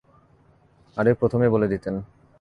আরে, প্রথমেই বলে দিতেন!